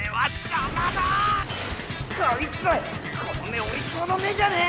この目おりこうの目じゃねぇ！